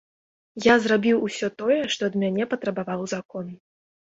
Я зрабіў усё тое, што ад мяне патрабаваў закон.